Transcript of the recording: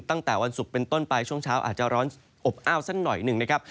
ตั้งแต่วันศุกร์เป็นต้นไปช่วงเช้าอาจจะร้อนอบอ้าวสักหน่อยหนึ่งนะครับ